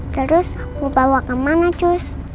terus dibawa kemana cus